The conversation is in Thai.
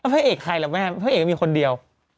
พระเอกใครล่ะแม่พระเอกมีคนเดียว